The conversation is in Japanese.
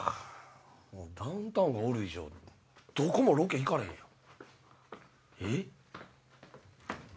もうダウンタウンがおる以上どこもロケ行かれへんやん。